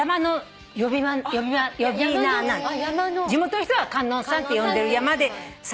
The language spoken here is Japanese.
地元の人は観音さんって呼んでる山で撮影しました。